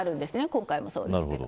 今回もそうですけど。